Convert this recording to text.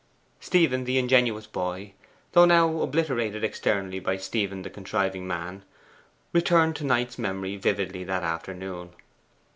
Stephen the ingenuous boy, though now obliterated externally by Stephen the contriving man, returned to Knight's memory vividly that afternoon.